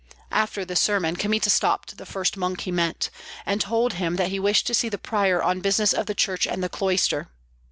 After the sermon Kmita stopped the first monk he met, and told him that he wished to see the prior on business of the church and the cloister.